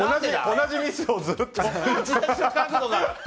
同じミスをずっと。